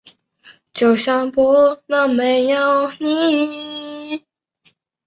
当时行政院长刘兆玄指示环保署副署长邱文彦与文建会协助抢救。